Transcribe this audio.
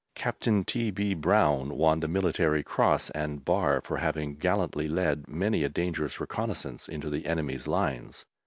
Captain T. B. Brown won the Military Cross and bar for having gallantly led many a dangerous reconnaissance into the enemy's lines.